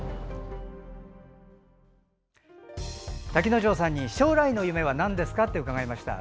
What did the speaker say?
瀧之丞さんに将来の夢はなんですかと伺いました。